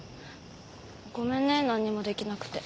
ごめんね何にもできなくて。